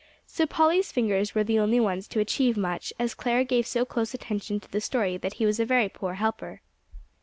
So Polly's fingers were the only ones to achieve much, as Clare gave so close attention to the story that he was a very poor helper.